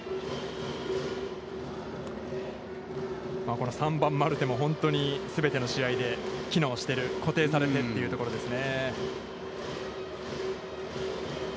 この３番マルテも本当に全ての試合で機能している、固定されてというところですね。